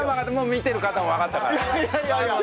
見てる方もわかったから。